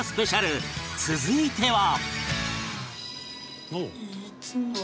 続いては